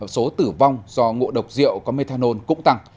số tử vong do ngộ độc rượu có methanol cũng tăng